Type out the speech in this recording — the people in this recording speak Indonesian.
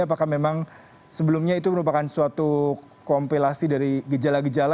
apakah memang sebelumnya itu merupakan suatu kompilasi dari gejala gejala